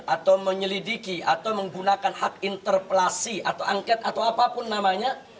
atau menyelidiki atau menggunakan hak interpelasi atau angket atau apapun namanya